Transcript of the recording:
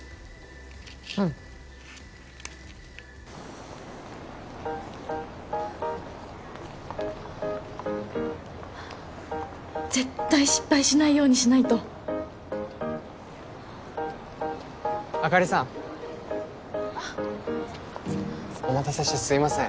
うん絶対失敗しないようにしないとあかりさんお待たせしてすいません